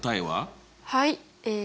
はい。